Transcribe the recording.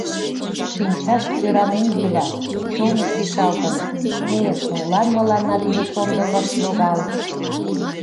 Шинчашт кӧранен йӱла, чонышт ишалтын: «Эх, молан мыланна тиде сондык ыш логал!»